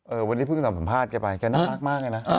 วันนี้เพิ่งสัมภาษณ์แกไปแกน่ารักมากเลยนะ